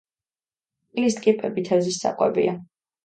წყლის ტკიპები თეზის საკვებია.